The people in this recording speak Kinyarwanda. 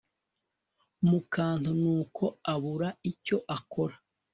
mukantu nuko abura icyo akora